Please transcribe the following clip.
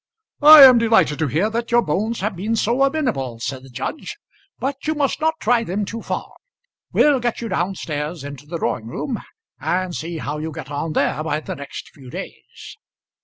"I am delighted to hear that your bones have been so amenable," said the judge. "But you must not try them too far. We'll get you down stairs into the drawing room, and see how you get on there by the next few days."